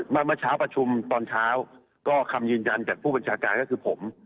เมื่อเช้าประชุมตอนเช้าก็คำยืนยันจากผู้บัญชาการก็คือผม